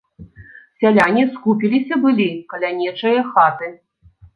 Сяляне скупіліся былі каля нечае хаты.